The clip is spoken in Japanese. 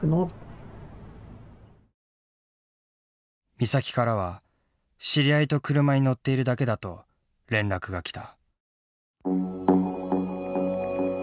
美咲からは知り合いと車に乗っているだけだと連絡が来た。